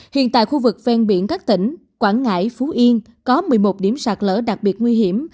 hiện tại khu vực ven biển các tỉnh quảng ngãi phú yên có một mươi một điểm sạt lỡ đặc biệt nguy hiểm